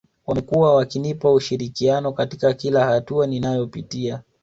Wamekuwa wakinipa ushirikiano katika kila hatua ninayopitia